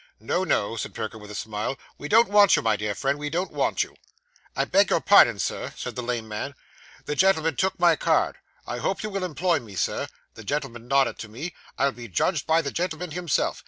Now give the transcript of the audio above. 'No, no,' said Perker, with a smile. 'We don't want you, my dear friend, we don't want you.' 'I beg your pardon, sir,' said the lame man. 'The gentleman took my card. I hope you will employ me, sir. The gentleman nodded to me. I'll be judged by the gentleman himself.